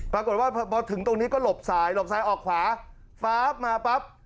ปรากฏว่าพอถึงตรงนี้ก็หลบสายหลบซ้ายออกขวาฟ้าบมาปั๊บ